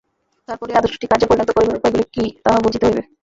তারপর এই আদর্শটিকে কার্যে পরিণত করিবার উপায়গুলি কি, তাহা বুঝিতে হইবে।